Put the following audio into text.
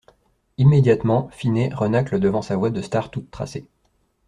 Immédiatement, Finney renâcle devant sa voie de star toute tracée.